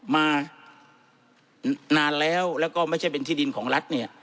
มานานแล้วแล้วก็ไม่ใช่เป็นที่ดินของรัฐเนี่ย